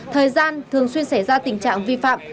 thời gian thường xuyên xảy ra tình trạng vi phạm